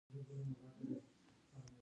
چینايي اقتصاد د ودې په حال کې دی.